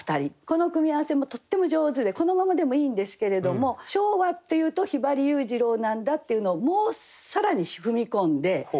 この組み合わせもとっても上手でこのままでもいいんですけれども昭和っていうと「ひばり」「裕次郎」なんだっていうのをもう更に踏みこんで。